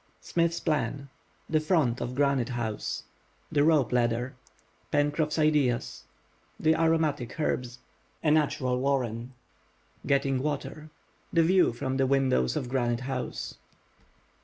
SMITH'S PLAN—THE FRONT OF GRANITE HOUSE—THE ROPE LADDER—PENCROFF'S IDEAS—THE AROMATIC HERBS—A NATURAL WARREN—GETTING WATER—THE VIEW FROM THE WINDOWS OF GRANITE HOUSE.